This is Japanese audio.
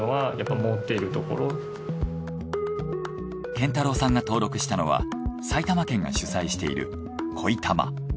健太郎さんが登録したのは埼玉県が主催している「恋たま」。